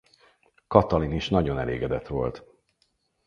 Katalin is nagyon elégedett volt.